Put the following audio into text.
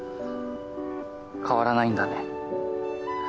変わらないんだね。